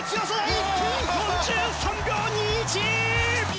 １分４３秒２１。